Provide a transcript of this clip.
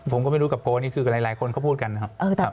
ผมก็ไม่รู้กับโกนี่คือหลายคนเขาพูดกันนะครับ